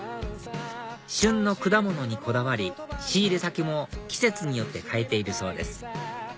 旬の果物にこだわり仕入れ先も季節によって変えているそうです